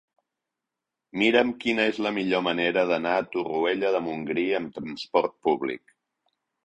Mira'm quina és la millor manera d'anar a Torroella de Montgrí amb trasport públic.